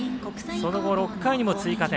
その後、６回にも追加点。